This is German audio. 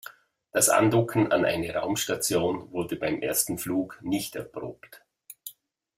Das Andocken an eine Raumstation wurde beim ersten Flug nicht erprobt.